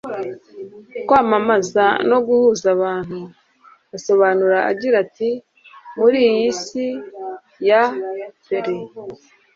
kwamamaza no guhuza abantu. asobanura agira ati muri iyi si ya pr